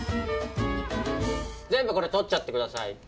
全部これ取っちゃって下さい。